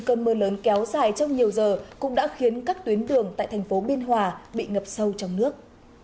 cơn mưa lớn kéo dài trong nhiều giờ cũng đã khiến các tuyến đường tại thành phố biên hòa bị ngập sâu trong nước